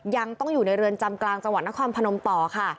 ยังต้องอยู่ในเรือนจำกลางจังหวัดนครพนมต่อค่ะ